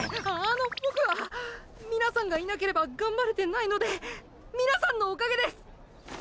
のっボクは皆さんがいなければ頑張れてないので皆さんのおかげです！！